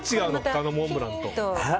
他のモンブランと。